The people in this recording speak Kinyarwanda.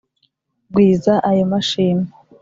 gwiza ayo mashimwe,